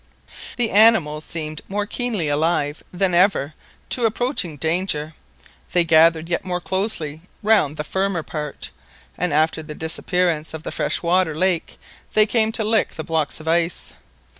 The animals seemed more keenly alive than ever to approaching danger; they gathered yet more closely round the firmer part, and after the disappearance of the fresh water lake, they came to lick the blocks of ice.